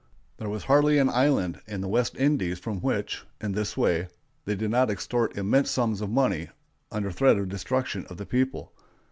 There was hardly an island in the West Indies from which, in this way, they did not extort immense sums of money under threat of destruction of the people.